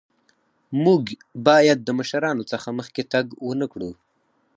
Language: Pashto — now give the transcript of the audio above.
مونږ باید د مشرانو څخه مخکې تګ ونکړو.